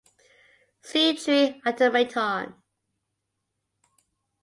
See tree automaton.